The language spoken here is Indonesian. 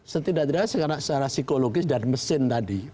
setidak tidak secara psikologis dan mesin tadi